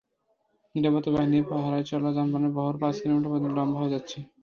নিরাপত্তা বাহিনীর পাহারায় চলা যানবাহনের বহর পাঁচ কিলোমিটার পর্যন্ত লম্বা হয়ে যাচ্ছে।